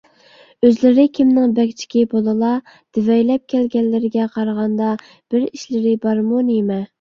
ئۆزلىرى كىمنىڭ بەگچىكى بولىلا؟ دېۋەيلەپ كەلگەنلىرىگە قارىغاندا بىر ئىشلىرى بارمۇ، نېمە؟